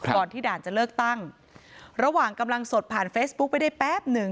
ก่อนที่ด่านจะเลือกตั้งระหว่างกำลังสดผ่านเฟซบุ๊คไปได้แป๊บหนึ่ง